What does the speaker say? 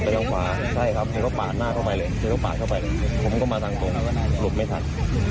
แต่ว่าลุงแกชะแหลกไปเข้าใต้เขาเก่งอย่างนี้นะครับ